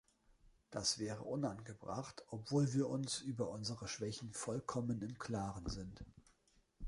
Das wäre unangebracht, obwohl wir uns über unsere Schwächen vollkommen im Klaren sind.